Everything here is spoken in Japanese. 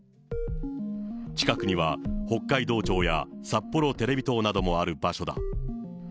近くには、北海道庁やさっぽろテレビ塔などもある場所だ。